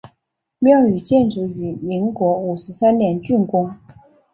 庙宇建筑于民国五十三年竣工。